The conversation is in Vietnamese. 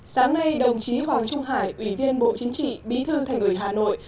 sáng nay đồng chí hoàng trung hải ủy viên bộ chính trị bí thư thành ủy hà nội